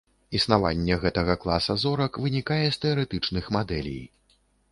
Існаванне гэтага класа зорак вынікае з тэарэтычных мадэлей.